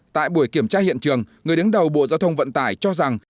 tại buổi kiểm tra hiện trường người đứng đầu bộ giao thông vận tải cho rằng